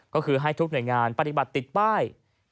ก็คือให้ทุกหน่วยงานปฏิบัติติดป้าย